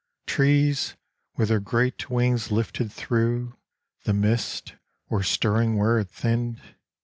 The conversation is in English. Trees, with their great wings lifted through The mist, were stirring where it thinned.